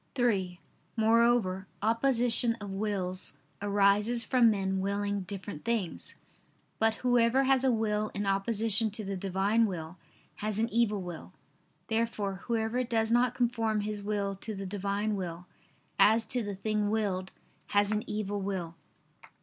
(3) Moreover, opposition of wills arises from men willing different things. But whoever has a will in opposition to the Divine will, has an evil will. Therefore whoever does not conform his will to the Divine will, as to the thing willed, has an evil will.